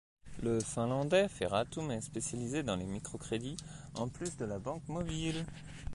Le finlandais Ferratum est spécialisé dans les micro-crédits en plus de la banque mobile.